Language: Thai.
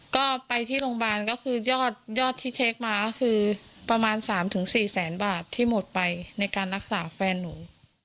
ก็ไปที่โรงพยาบาลก็คือยอดที่เทคมาก็คือประมาณ๓๔แสนบาทที่หมดไปในการรักษาแฟนหนู